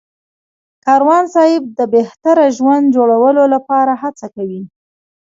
کاروان صاحب د بهتره ژوند جوړولو لپاره هڅه کوي.